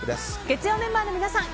月曜メンバーの皆さん